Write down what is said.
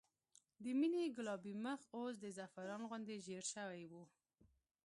د مينې ګلابي مخ اوس د زعفران غوندې زېړ شوی و